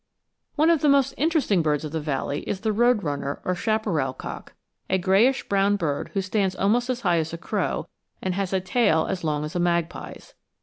One of the most interesting birds of the valley is the road runner or chaparral cock, a grayish brown bird who stands almost as high as a crow and has a tail as long as a magpie's.